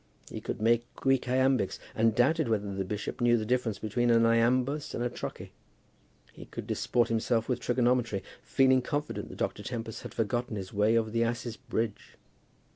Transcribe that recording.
He could make Greek iambics, and doubted whether the bishop knew the difference between an iambus and a trochee. He could disport himself with trigonometry, feeling confident that Dr. Tempest had forgotten his way over the asses' bridge.